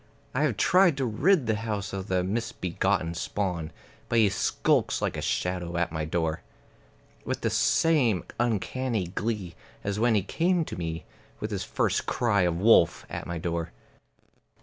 I have tried to rid the house of the misbegotten spawn; But he skulks like a shadow at my door, With the same uncanny glee as when he came to me With his first cry of wolf at my door.